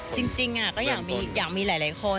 จริงก็อยากมีหลายคน